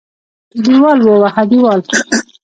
دېوال ووهه دېوال.